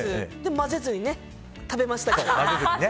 混ぜずに食べましたけど。